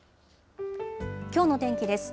きょうの天気です。